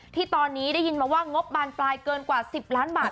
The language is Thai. ที่ตอนนี้ได้ยินมาว่างบบานปลายเกินกว่า๑๐ล้านบาท